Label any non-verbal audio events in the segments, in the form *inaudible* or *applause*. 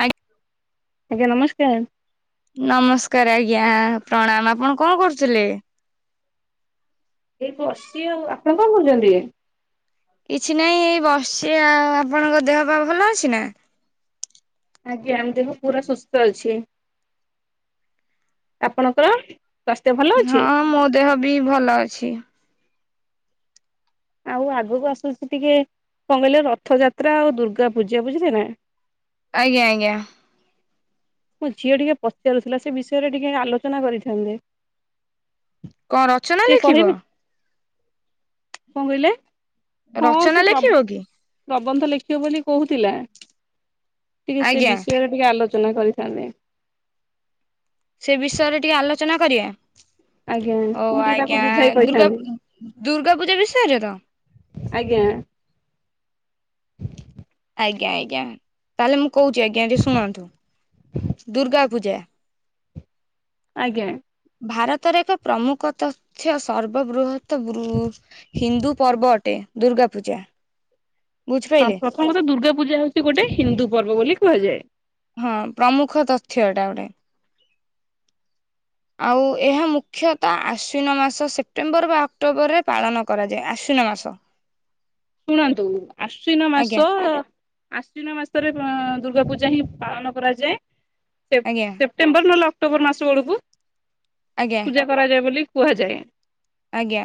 ଆ ଆଜ୍ଞା ନମସ୍କାର। ନମସ୍କାର ଆଜ୍ଞା ପ୍ରଣାମ। ଆପଣ କଂ କରୁଥିଲେ? ଏଇ ବସିଚି ଆଉ। ଆପଣ କଂ କରୁଚନ୍ତି? କିଛି ନାହିଁ ଏଇ ବସିଚି ଆଉ, ଆପଣଙ୍କ ଦେହ ପା ଭଲ ଅଛି ନା? ଆଜ୍ଞା ଆମ ଦେହ ପୁରା ସୁସ୍ଥ ଅଛି, ଆପଣଙ୍କର? ସ୍ୱାସ୍ଥ୍ୟ ଭଲ ଅଛି? ହଁ ମୋ ଦେହ ବି ଭଲ ଅଛି। ଆଉ ଆଗକୁ ଆସୁଛି ଟିକେ କଁ କହିଲେ ରଥଯାତ୍ରା ଆଉ ଦୁର୍ଗା ପୂଜା ବୁଝିଲେ ନା। ଆଜ୍ଞା ଆଜ୍ଞା। ମୋ ଝିଅ ଟିକେ ପଚାରୁଥିଲା ସେ ବିଷୟରେ ଟିକେ ଆଲୋଚନା କରିଥାନ୍ତେ। କଁ ରଚନା ଟିକେ ଲେଖିବ? କଁ କହିଲେ, ହଁ ରଚନା ସେ ପ୍ର ଲେଖିବ କି? ପ୍ରବନ୍ଧ ଲେଖିବ ବୋଲି କହୁଥିଲା, ଟିକେ ସେ ଆଜ୍ଞା ବିଷୟରେ ଟିକେ ଆଲୋଚନା କରିଥାନ୍ତେ। ସେ ବିଷୟରେ ଟିକେ ଆଲୋଚନା କରିବା? ଆଜ୍ଞା ଓ ମୁଁ ଟିକେ ତାକୁ ଆଜ୍ଞା, ବୁଝାଇ ଦୁର୍ଗା କହିଥାନ୍ତି। ଦୁର୍ଗା ପୂଜା ବିଷୟରେ ତ? ଆଜ୍ଞା। ଆଜ୍ଞା ଆଜ୍ଞା, ତାହେଲେ ମୁଁ କହୁଛି ଆଜ୍ଞା ଟିକେ ଶୁଣନ୍ତୁ ଦୁର୍ଗା ପୂଜା। ଆଜ୍ଞା। ଭାରତରେ ଏକ ପ୍ରମୁଖ ତଥ୍ଯ ସର୍ବବୃହତ୍ ତ୍ ହିନ୍ଦୁ ପର୍ବ ଅଟେ ଦୁର୍ଗା ପୂଜା। ହଁ ବୁଝିପାରିଲେ। ପ୍ରଥମତଃ ଦୁର୍ଗା ପୂଜା ହଉଛି ଗୋଟେ ହିନ୍ଦୁ ପର୍ବ ବୋଲି କୁହାଯାଏ। ହଁ ପ୍ରମୁଖ ତଥ୍ୟ ଏଟା ଗୋଟେ। ଆଉ ଏହା ମୁଖ୍ୟତଃ ଆଶ୍ୱିନ ମାସ ସେପ୍ଟେମ୍ବର ବା ଅକ୍ଟୋବରରେ ପାଳନ କରାଯାଏ, ଆଶ୍ୱିନ ମାସ। *inaudible* ଶୁଣନ୍ତୁ ଆଶ୍ୱିନ ଆଜ୍ଞା ମାସ ଆଶ୍ଵିନ ମାସରେ ଦୁର୍ଗା ପୂଜା ହିଁ ପାଳନ କରାଯାଏ, ସେ ଆଜ୍ଞା ସେ ସେପ୍ଟେମ୍ୱର ନହେଲେ ଅକ୍ଟୋବର ମାସ ବେଳକୁ। ଆଜ୍ଞା। ପୂଜା କରାଯାଏ ବୋଲି କୁହାଯାଏ। ଆଜ୍ଞା,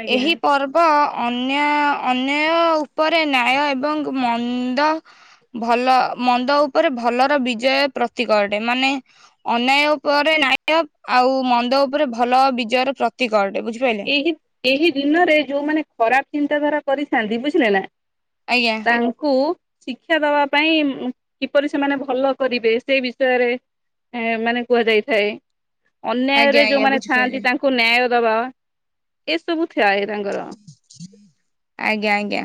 ଆଜ୍ଞା ଏହି ପର୍ବ ଅନ୍ୟ ଅନ୍ୟାୟ ଉପରେ ନ୍ୟାୟ ଏବଂ ମନ୍ଦ ଭଲ ମନ୍ଦ ଉପରେ ଭଲର ବିଜୟ ପ୍ରତୀକ ଅଟେ, ମାନେ ଅନ୍ୟାୟ ଉପରେ ନ୍ୟାୟ ଆଉ ମନ୍ଦ ଉପରେ ଭଲ ବିଜୟର ପ୍ରତୀକ ଅଟେ, ବୁଝିପାଇଲେ। ଏହି ଦିନରେ ଯୋଉମାନେ ଖରାପ ଚିନ୍ତାଧାରା କରିଥାନ୍ତି ବୁଝିଲେ ନା। ଆଜ୍ଞା। ତାଙ୍କୁ ଶିକ୍ଷା ଦବା ପାଇଁ କିପରି ସେମାନେ ଭଲ କରିବେ ସେ ବିଷୟରେ ଏ ମାନେ କୁହାଯାଇଥାଏ, ଆଜ୍ଞା ଅନ୍ୟାୟରେ ଆଜ୍ଞା ଯୋଉମାନେ ବୁଝିପାରିଲି ଥାଆନ୍ତି ତାଙ୍କୁ ନ୍ୟାୟ ଦବା। ଏସବୁ ଥାଏ ତାଙ୍କର। ଆଜ୍ଞା ଆଜ୍ଞା।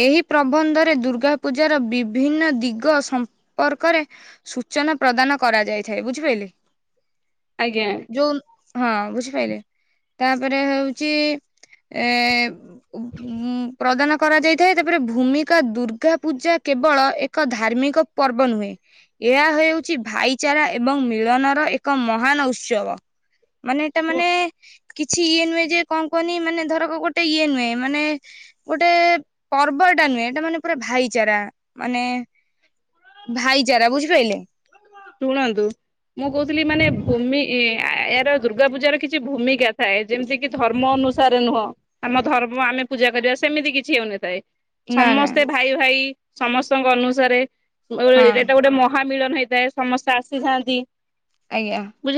ଏହି ପ୍ରବନ୍ଧରେ ଦୁର୍ଗା ପୂଜାର ବିଭିନ୍ନ ଦିଗ ସମ୍ପର୍କରେ ସୂଚନା ପ୍ରଦାନ କରାଯାଇଥାଏ ବୁଝିପାଇଲେ। ଆଜ୍ଞା। ଯୋଉ ହଁ ବୁଝିପାଇଲେ ତାପରେ ହଉଚି ଏ ପ୍ରଧାନ କରାଯାଇଥାଏ ତାପରେ ଭୂମିକା ଦୁର୍ଗା ପୂଜା କେବଳ ଏକ ଧାର୍ମିକ ପର୍ବ ନୁହେଁ। ଏହା ହେଉଛି ଭାଇଚାରା ଏବଂ ମିଳନର ଏକ ମହାନ ଉତ୍ସବ। ମାନେ ଏଟା ମାନେ କିଛି ଇଏ ନୁହେଁ ଯେ କଣ କୁହନି ମାନେ ଧରକ ଗୋଟେ ଇଏ ନୁହେଁ ମାନେ ଗୋଟେ ପର୍ବଟା ନୁହେଁ ଏଟା ମାନେ ପୁରା ଭାଇଚାରା ମାନେ ଭାଇଚାରା ବୁଝିପାରିଲେ। ଶୁଣନ୍ତୁ ମୁଁ କହୁଥିଲି ମାନେ ଭୂମି ଏ ଏହାର ଦୁର୍ଗା ପୂଜାର କିଛି ଭୂମିକା ଥାଏ। ଯେମିତିକିି ଧର୍ମ ଅନୁସାରେ ନୁହଁ ଆମ ଧର୍ମ ଆମେ ପୂଜା କରିବା ସେମିତି କିଛି ହେଉନିଥାଏ। ନା ନା ସମସ୍ତେ ଭାଇ ଭାଇ ସମସ୍ତଙ୍କ ଅନୁସାରେ ହଁ ଏଟା ଗୋଟେ ମହାମିଳନ ହେଇଥାଏ ସମସ୍ତେ ଆସିଥାନ୍ତି ଆଜ୍ଞା। ବୁଝ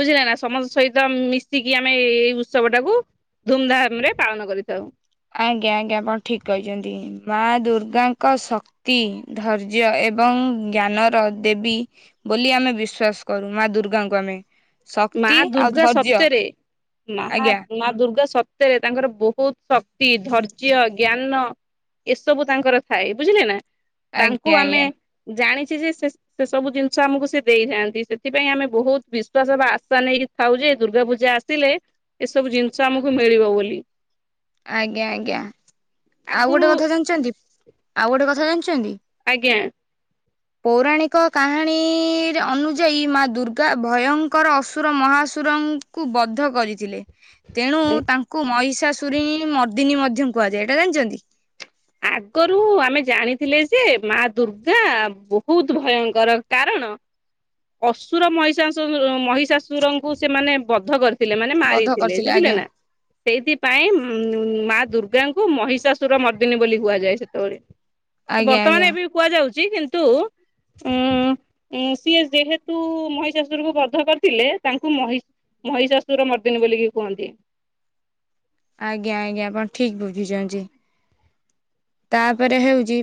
ବୁଝିଲେନା ସମସ୍ତଙ୍କ ସହିତ ମିଶିକି ଆମେ ଏଇ ଉତ୍ସବ ଟାକୁ ଧୁମଧାମରେ ପାଳନ କରିଥାଉ। ଆଜ୍ଞା ଆଜ୍ଞା ଆପଣ ଠିକ୍ କହିଚନ୍ତି ମା ଦୁର୍ଗାଙ୍କ ଶକ୍ ତି ଧୈର୍ଯ୍ୟ ଏବଂ ଜ୍ଞାନର ଦେବୀ ବୋଲି ଆମେ ବିଶ୍ବାସ କରୁ ମା ଦୁର୍ଗାଙ୍କୁ ଆମେ। ମା ଶକ୍ତି ଆଉ ଦୁର୍ଗା ଧୈର୍ଯ୍ୟ ସତ୍ୟରେ ମାହା ଆଜ୍ଞା ମା ଦୁର୍ଗା ସତରେ ତାଙ୍କର ବହୁତ୍ ଶକ୍ତି ଧର୍ଯ୍ୟ ଜ୍ଞାନ ଏସବୁ ତାଙ୍କର ଥାଏ ବୁଝିଲେନା। ତାଙ୍କୁ ଆଜ୍ଞା ଆମେ ଆଜ୍ଞା ଜାଣିଚିଯେ ସେ ସେସବୁ ଜିନିଷ ଆମକୁ ସେ ଦେଇଥାନ୍ତି ସେଥିପାଇଁ ଆମେ ବହୁତ୍ ବିଶ୍ଵାସବା ଆସା ନେଇକି ଥାଉଯେ ଦୁର୍ଗା ପୂଜା ଆସିଲେ ଏସବୁ ଜିନିଷ ଆମକୁ ମିଳିବ ବୋଲି। ଆଜ୍ଞା ଆଜ୍ଞା ଆଉ ଆଗରୁ ଗୋଟେ କଥା ଜାଣିଚନ୍ତି ଆଉ ଗୋଟେ କଥା ଜାଣିଚନ୍ତି ଆଜ୍ଞା। ପୌରାଣିକ କାହାଣୀରେ ଅନୁଯାୟୀ ମା ଦୁର୍ଗା ଭୟଙ୍କର ଅସୁର ମହାସୁର କୁ ବଦ୍ଧ କରିଥିଲେ। ତେଣୁ ତାଙ୍କୁ ମହିଷା ସୁରି ମର୍ଦିନୀ ମଧ୍ୟ କୁହାଯାଏ ଏଇଟା ଜାଣିଚନ୍ତି? ଆଗରୁ ଆମେ ଜାଣିଥିଲେଯେ ମା ଦୁର୍ଗା ବହୁତ୍ ଭୟଙ୍କର କାରଣ ଅସୁର ମହିଷା ମହିଷାଶୁରଙ୍କୁ ସେମାନେ ବଧ କରି ପିଲା ମାନେ ବଧ ମାରିଥିଲେ କରିଥିଲେ ଆଜ୍ଞା ବୁଝିଲେନା। ସେଇଥିପାଇଁ ଉ ମା ଦୁର୍ଗାଙ୍କୁ ମହିଷାଶୁର ମ ଦି ଦିନି ବୋଲି କୁହାଯାଏ ସେତେବେଳେ ଆଜ୍ଞା ଆଜ୍ଞା ବର୍ତ୍ତମାନ ଏବେ କୁହାଯାଉଚି କିନ୍ତୁ ଉଁ ସିଏ ଯେହେତୁ ମହିଷାଶୁରକୁ ବଧ କରିଥିଲେ ତାଙ୍କୁ ମହି ମହିଷାଶୁର ମର୍ଦିନୀ ବୋଲିକି କୁହନ୍ତି। ଆଜ୍ଞା ଆଜ୍ଞା ଆପଣ ଠିକ୍ ବୁଝିଚନ୍ତି। ତାପରେ ହେଉଚି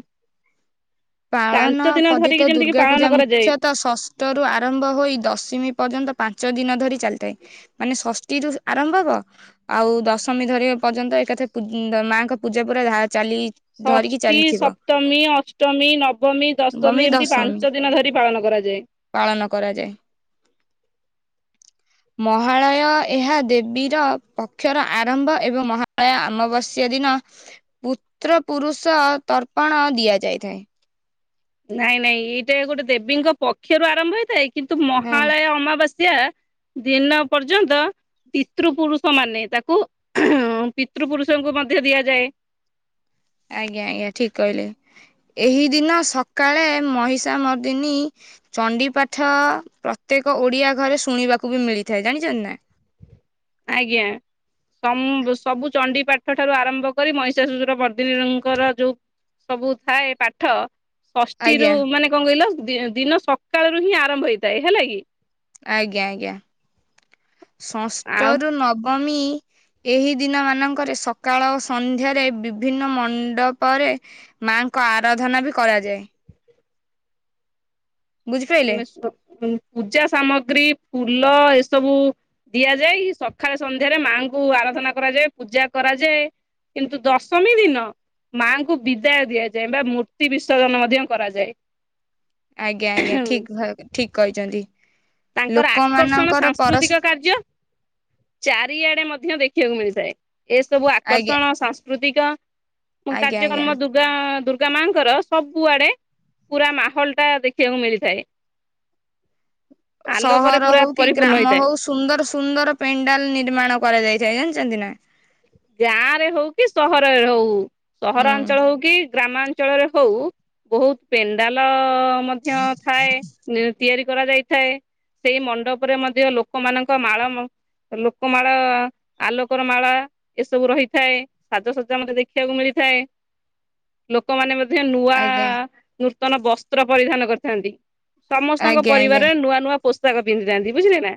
ପାଞ୍ଚ ପାଳନ ଦିନ ଧରିକି ପଦିତ ଯେମିତିକି ଦୁର୍ଗା ପାଳନ ପୂଜା କରାଯାଏ। ମୁଖ୍ୟତଃ ଷ ଅଟରୁ ଆରମ୍ଭ ହୋଇ ଦଶମୀ ପର୍ଯ୍ୟନ୍ତ ପାଞ୍ଚ ଦିନ ଧରି ଚାଲିଥାଏ ତ ମାନେ ଷଷ୍ଠୀରୁ ଆରମ୍ଭ ହବ ଆଉ ଦଶମୀ ଧରିବା ପର୍ଯ୍ୟନ୍ତ ଏକାଥରେ ମାଙ୍କ ପୂଜା ପୁରା ଚାଲି ଧରିକି ଚା ଟି ସପ୍ତମୀ ଅଷ୍ଟମୀ ନବମୀ ନବମୀ ଦଶମୀ ଏମିତି ଦଶମୀ ପାଞ୍ଚ ଦିନ ଧରି ପାଳନ କରାଯାଏ। ପାଳନ କରାଯାଏ। ମହାଳୟ ଏହା ଦେବୀର ପକ୍ଷର ଆରମ୍ଭ ଏବଂ ମହା ପ୍ରାୟ ଅମାବାସ୍ୟ ଦିନ ପତ୍ର ପୁରୁଷ ତର୍ପଣ ଦିଆଯାଇଥାଏ। ନାଇଁ ନାଇଁ ଏଇଟା ଗୋଟେ ଦେବୀଙ୍କ ପକ୍ଷରୁ ଆରମ୍ଭ ହେଇଥାଏ କିନ୍ତୁ ହଁ ମହାଳୟ ଅମାବାସ୍ୟା ସ୍ୟା ଦିନ ପର୍ଯ୍ୟନ୍ତ ପିତୃ ପୁରୁଷ ମାନେ ତାକୁ ପିତୃ ପୁରୁଷଙ୍କୁ ମଧ୍ୟ ଦିଆଯାଏ। ଆଜ୍ଞା ଆଜ୍ଞା ଠିକ୍ କହିଲେ ଏହି ଦିନ ସକାଳେ ମହିଷା ମାର୍ଦିନୀ ଚଣ୍ଡିପାଠ ପ୍ରତ୍ୟେକ ଓଡିଆ ଘରେ ଶୁଣିବାକୁବି ମିଳିଥାଏ ଜାଣିଚନ୍ତିନା। ଆଜ୍ଞା। ସମ୍ ସବୁ ଚଣ୍ଡି ପାଠ ଠାରୁ ଆରମ୍ଭ କରି ମଇଷାସୁସୁର ବର୍ଦ୍ଦିନୀଙ୍କର ଯୋଉ ସବୁ ଥାଏ ପାଠ ଷଷ୍ଠୀ ରୁ ଆଜ୍ଞା ମାନେ କଣ କହିଲ ଦି ଦିନ ସକାଳରୁ ହିଁ ଆରମ୍ଭ ହେଇଥାଏ ହେଲା କି। ଆଜ୍ଞା ଆଜ୍ଞା ଷଷ୍ଠ ଆଉ ରୁ ନବମୀ ଏହି ଦିନ ମାନଙ୍କରେ ସକାଳ ଓ ସନ୍ଧ୍ୟାରେ ବିଭିନ୍ନ ମଣ୍ଡପରେ ମାଆ ଙ୍କ ଆରାଧନା ବି କରାଯାଏ। ବୁଝିପାରିଲେ *inaudible* ପୂଜା ସାମଗ୍ରୀ ଫୁଲ ଏସବୁ ଦିଆଯାଏ। ସକାଳେ ସନ୍ଧ୍ୟାରେ ମାଆଙ୍କୁ ଆରାଧନା କରାଯାଏ ପୂଜା କରାଯାଏ। କିନ୍ତୁ ଦଶମୀ ଦିନ ମାଙ୍କୁ ବିଦାୟ ଦିଆଯାଏ ବା ମୂର୍ତ୍ତି ବିସର୍ଜନ ମଧ୍ୟ କରାଯାଏ। ଆଜ୍ଞା ଆଜ୍ଞା ଠିକ ଧ ଠିକ କହିଛନ୍ତି। ତାଙ୍କର ଆକର୍ଷଣ ଲୋକମାନଙ୍କର ପରସ୍ ସାଂସ୍କୃତିକ କାର୍ଯ୍ୟ। ଚାରିଆଡେ ମଧ୍ୟ ଦେଖିବାକୁ ମିଳିଥାଏ ଏସବୁ ଆଜ୍ଞା ଆକର୍ଷଣ ସଂସ୍ କୃତିକ ଆଜ୍ଞା ଆଜ୍ଞା କାର୍ଯ୍ୟକ୍ରମ ଦୁ ଦୁର୍ଗା ଦୁର୍ଗା ମାଆଙ୍କର ସବୁଆଡେ ପୁରା ମାହୋଲଟା ଦେଖିବାକୁ ମିଳିଥାଏ। ଆଲୋକରେ ସହର ପୁରା ହଉ କି ପରିପୂର୍ଣ୍ଣ ଗ୍ରାମ ହେଇଥାଏ। ହଉ ସୁନ୍ଦର ସୁନ୍ଦର ପେଣ୍ଡାଲ ନିର୍ମାଣ କରାଯାଇଥାଏ ଜାଣିଛନ୍ତି ନା। ଗାଁରେ ହଉ କି ସହରରେ ହଉ ହୁଁ ସହରାଞ୍ଚଳ ହଉ କି ଗ୍ରାମାଞ୍ଚଳରେ ହଉ ବହୁତ ପେଣ୍ଡାଲ ମଧ୍ୟ ଥାଏ। ତିଆରି କରାଯାଇଥାଏ ସେଇ ମଣ୍ଡପରେ ମଧ୍ୟ ଲୋକମାନଙ୍କ ମାଳ ମ ଲୋକମାଳ ଆଲୋକର ମାଳା। ଏସବୁ ରହିଥାଏ ସାଜସଜା ମଧ୍ୟ ଦେଖିବାକୁ ମିଳିଥାଏ। ଲୋକମାନେ ମଧ୍ୟ ନୂଆ ଆଜ୍ଞା ନୂତନ ବସ୍ତ୍ର ପରିଧାନ କରିଥାନ୍ତି। ସମସ୍ତଙ୍କ ଆଜ୍ଞା ଆଜ୍ଞା ପରିବାରରେ ନୂଆ ନୂଆ ପୋସ୍ତକ ପିନ୍ଧିଥାନ୍ତି ବୁଝିଲେ ନା।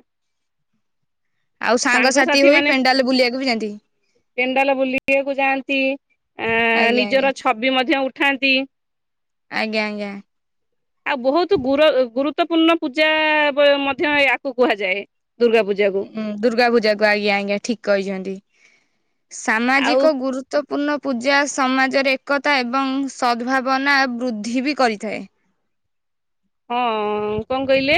ଆଉ ସାଙ୍ଗସାଥି ହୋଇ ପେଣ୍ଡାଲ ବୁଲିବାକୁ ବି ଯାଆନ୍ତି। ପେଣ୍ଡାଲ ବୁଲିବାକୁ ଯାଆନ୍ତି ଆ ଆଜ୍ଞା ଆଜ୍ଞା ନିଜର ଛବି ମଧ୍ୟ ଉଠାନ୍ତି। ଆଜ୍ଞା ଆଜ୍ଞା। ଆଉ ବହୁତ ଗୁର ଗୁରୁତ୍ୱପୂର୍ଣ୍ଣ ପୂଜା ବ ମଧ୍ୟ ୟାକୁ କୁହାଯାଏ ଦୁର୍ଗା ପୂଜାକୁ। ହୁଁ ଦୁର୍ଗା ପୂଜା କୁ ଆଜ୍ଞା ଆଜ୍ଞା ଠିକ କହିଛନ୍ତି। ଆଉ ସାମାଜିକ ଗୁରୁ ମହତପୂର୍ଣ୍ଣ ପୂଜା ସମାଜରେ ଏକତା ଏବଂ ସଦ୍ଭାବନା ବୃଦ୍ଧି ବି କରିଥାଏ। ହଁ କଣ କହିଲେ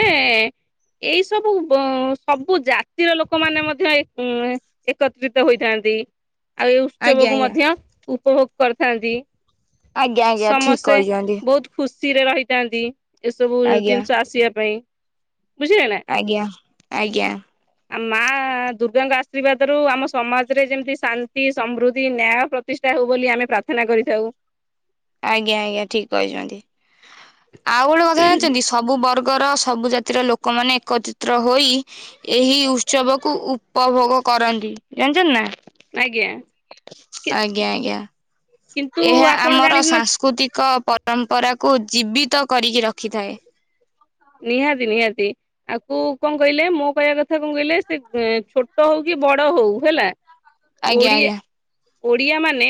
ଏଇ ସବୁ ବ ସବୁ ଜାତିର ଲୋକମାନେ ମଧ୍ୟ ଉଁ ଏକତ୍ରିତ ହୋଇଥାନ୍ତି ଆଉ ଏଇ ଆଜ୍ଞା ଉତ୍ସବକୁ ମଧ୍ୟ ଉପଭୋଗ କରିଥାନ୍ତି। ଆଜ୍ଞା ଆଜ୍ଞା ଆଜ୍ଞା ଠିକ ସମସ୍ତେ କହିଛନ୍ତି ବହୁତ ଖୁସିରେ ରହିଥାନ୍ତି ଏସବୁ ଆଜ୍ଞା ଜିନିଷ ଆସିବା ପାଇଁ ବୁଝିଲେ ନା। ଆଜ୍ଞା ଆଜ୍ଞା। ଆ ମା ଦୁର୍ଗାଙ୍କ ଆଶୀର୍ବାଦରୁୁ ଆମ ସମାଜରେ ଯେମିତି ଶାନ୍ତି ସମୃଦ୍ଧି ନ୍ୟାୟ ପ୍ରତିଷ୍ଠା ହଉ ବୋଲି ଆମେ ପ୍ରାର୍ଥନା କରିଥାଉ। ଆଜ୍ଞା ଆଜ୍ଞା ଠିକ୍ କହିଛନ୍ତି। ଆଉ ଗୋଟେ କଥା ଜାଣିଛନ୍ତି ସବୁ ବର୍ଗର ସବୁ ଜାତିର ଲୋକମାନେ ଏକତିତ୍ର ହୋଇ ଏହି ଉତ୍ସବକୁୁ ଉପଭୋଗ କରନ୍ତି ଜାଣିଛ ନା। ଆଜ୍ଞା କେ ଆଜ୍ଞା ଆଜ୍ଞା। ଏହା ଆମର ସାଂସ୍କୃତିକ ପରମ୍ପରାକୁ ଜୀବିତ କରିକି ରଖିଥାଏ। ନିହାତି ନିହାତି। ଆକୁ କଣ କହିଲେ ମୋ କହିବା କଥା କଣ କହିଲେ ସେ ଛୋଟ ହଉ କି ବଡ ହଉ ହେଲା। ଆଜ୍ଞା ଓଡ଼ିଆ। ଓଡିଆ ମାନେ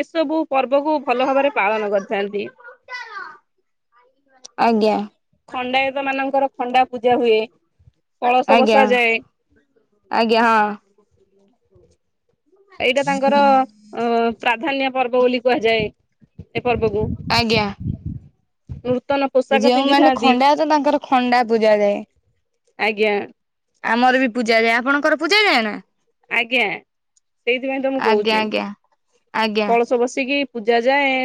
ଏସବୁ ପର୍ବକୁ ଭଲ ଭାବରେ ପାଳନ କରିଥାନ୍ତି। ଆଜ୍ଞା। ଖଣ୍ଡାୟତ ମାନଙ୍କର ଖଣ୍ଡା ପୂଜା ହୁଏ କଳସ ଆଜ୍ଞା। ବସାଯାଏ ଆଜ୍ଞା ହଁ। *inaudible* ଏଇଟା ତାଙ୍କର। ପ୍ରାଧାନ୍ୟ ପର୍ବ ବୋଲି କୁହାଯାଏ। ଏ ପର୍ବକୁ ନୂତନ ପୁ, ଯୋଉମାନେ ଖଣ୍ଡାୟତ ତାଙ୍କର ଖଣ୍ଡା ପୂଜା ଯାଏ। ଆଜ୍ଞା। ଆମର ବି ପୂଜା ଯାଏ ଆପଣଙ୍କର ପୂଜା ଯାଏ ନା। ଆଜ୍ଞା ସେଇଥିପାଇଁ ତ ମୁଁ ଆଜ୍ଞା କହୁଛି, ଆଜ୍ଞା ଆଜ୍ଞା କଳ ବସ ବସିକି ପୂଜା ଯାଏ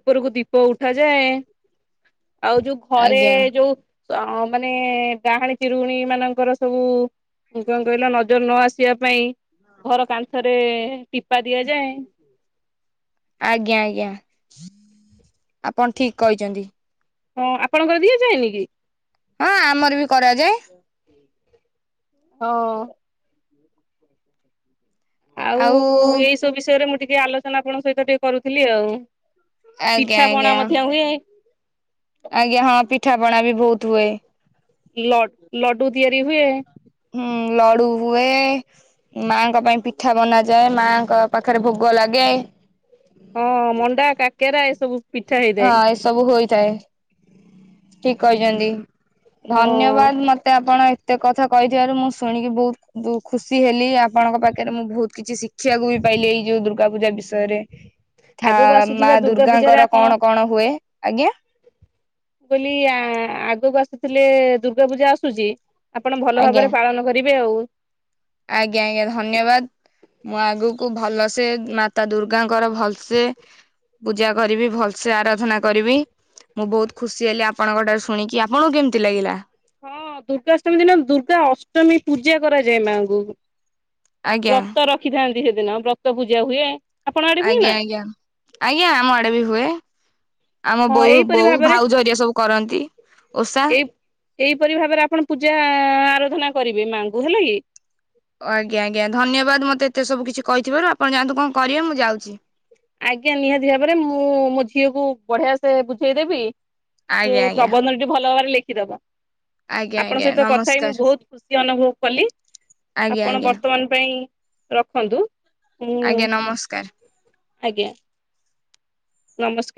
ଉପରକୁ ଦୀପ ଉଠା ଯାଏ। ଆଉ ଯୋଉ ଘରେ ଆଜ୍ଞା। ଯୋଉ, ହଁ ମାନେ ଡାହାଣୀ ଚିରୁଗୁଣି ମାନଙ୍କର ସବୁ କଣ କହିଲ ନଜର ନ ଆସୁ। ରଖିବା ପାଇଁ ଘର କାନ୍ଥରେ ଟିପା ଦିଆଯାଏ। ଆଜ୍ଞା ଆଜ୍ଞା ଆପଣ ଠିକ କହିଛନ୍ତି। ହଁ ଆପଣଙ୍କର ଦିଏ ଯାଏନି କି? ହଁ ଆମର ବି କରାଯାଏ ହଁ। *inaudible* ଆଉ ଏଇ ସବୁ ବିଷୟରେ ମୁଁ ଟିକେ ଆଲୋଚନା ଆପଣଙ୍କ ସହିତ ଟିକେ କରୁଥିଲି ଆଉ। ଆଜ୍ଞା ପିଠା ଆଜ୍ଞା ପଣା ମଧ୍ୟ ହୁଏ। ଆଜ୍ଞା, ହଁ ପିଠାପଣା ବି ବହୁତ ହୁଏ। ଲ ଲଡୁ ତିଆରି ହୁଏ। ହୁଁ ଲଡୁ ହୁଏ। ମାଙ୍କ ପାଇଁ ପିଠା ବନାଯାଏ ମାଙ୍କ ପାଖରେ ଭୋଗ ଲାଗେ। ହଁ ମଣ୍ଡା କାକେରା ଏସବୁ। ପିଠା ହଁ ହେଇଥାଏ। ଏସବୁ ହୋଇଥାଏ। ଠିକ କହିଛନ୍ତି ହଁ ଧନ୍ୟବାଦ ମତେ ଆପଣ। ଏତେ କଥା କହିଥିବାରୁ ମୁଁ ଶୁଣିକି ବହୁତ ବୋ ଖୁସି ହେଲି ଆପଣଙ୍କ ପାଖରେ ମୁଁ ବହୁତ। କିଛି ଶିଖିବାକୁ ବି ପାଇଲେ ଏଇ ଯୋଉ ଦୁର୍ଗା ପୂଜା ବିଷୟରେ। ଥା ଆଗକୁ ମା ଆସୁଥିବା ଦୁର୍ଗା ପୂଜାରେ ଦୁର୍ଗାଙ୍କର ଆପଣ କଣ କଣ ହୁଏ, ଆଜ୍ଞା। ମୁଁ କହିଲି ଆ ଆଗକୁ ଆସୁଥିଲେ ଦୁର୍ଗା ପୂଜା ଆସୁଛି। ଆପଣ ଭଲ ଆଜ୍ଞା ଭାବରେ ପାଳନ କରିବେ ଆଉ। ଆଜ୍ଞା ଆଜ୍ଞା ଧନ୍ୟବାଦ। ମୁଁ ଆଗକୁ ଭଲସେ ମାତା ଦୁର୍ଗାଙ୍କର ଭଲସେ। ପୂଜା କରିବି ଭଲସେ ଆରାଧନା କରିବି। ମୁଁ ବହୁତ ଖୁସି ହେଲି ଆପଣଙ୍କଟାରୁ ଶୁଣିକି ଆପଣଙ୍କୁ କେମିତି ଲାଗିଲା। ହଁ, ଦୁର୍ଗାଷ୍ଟମୀ ଦିନ ଦୁର୍ଗା ଅଷ୍ଟମୀ ପୂଜା କରାଯାଏ ମାଆଙ୍କୁ। ଆଜ୍ଞା। ବ୍ରତ ରଖିଥାନ୍ତି ହେଦିନ ବ୍ରତ ପୂଜା ହୁଏ। ଆପଣ ଆଡେ ହୁଏ ଆଜ୍ଞା ନା? ଆଜ୍ଞା ଆଜ୍ଞା ଆମ ଆଡେ ବି ହୁଏ। ଆମ ହଁ ବୋଉ ଏଇପରି ବୋଉ ଭାବରେ ଭାଉଜ ହେରିକା ସବୁକରନ୍ତି ଓଷା। ଏଇ ଏଇପରି ଭାବରେ ଆପଣ ପୂଜା ଆରାଧନା କରିବେ ମାଙ୍କୁ ହେଲା କି। ଆଜ୍ଞା ଆଜ୍ଞା ଧନ୍ୟବାଦ ମୋତେ ଏତେ ସବୁ କିଛି କହିଥିବାରୁ ଆପଣ ଯାଆନ୍ତୁ କଣ କରିବେ ମୁଁ ଯାଉଛି। ଆଜ୍ଞା ନିହାତି ଭାବରେ ମୁଁ ମୋ ଝିଅକୁ ବଢିଆ ସେ ବୁଝେଇଦେବି। ସିଏ ଆଜ୍ଞା ଆଜ୍ଞା ପ୍ରବନ୍ଧନଟି ଭଲ ଭାବରେ ଲେଖିଦବ। ଆଜ୍ଞା ଆପଣଙ୍କ ଆଜ୍ଞା ସହିତ କଥା ହେଇ ମୁଁ ନମସ୍କାର ବହୁତ ଖୁସି ଅନୁଭବ କଲି ଆଜ୍ଞା ଆପଣ ଆଜ୍ଞା ବର୍ତ୍ତମାନ ପାଇଁ ରଖନ୍ତୁ। ମୁଁ ଆଜ୍ଞା ନମସ୍କାର। ଆଜ୍ଞା। ନମସ୍କାର।